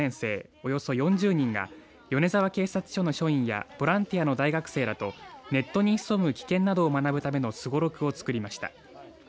およそ４０人が米沢警察署の署員やボランティアの大学生らとネットに潜む危険などを学ぶためのすごろくを作りました。